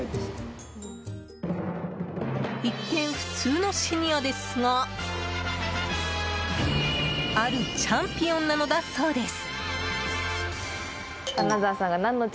一見、普通のシニアですがあるチャンピオンなのだそうです。